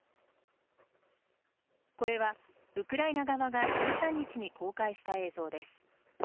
これはウクライナ側が１３日に公開した映像です。